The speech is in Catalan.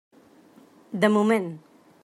De moment.